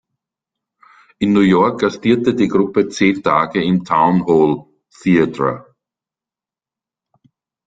In New York gastierte die Gruppe zehn Tage im Town Hall Theater.